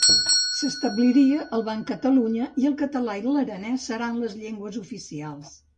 S'establiria el Banc de Catalunya i el català i l'aranès seran les llengües oficials.